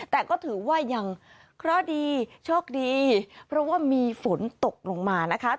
แต่ก็ถือว่ายังเคราะห์ดีโชคดีเพราะว่ามีฝนตกลงมานะคะ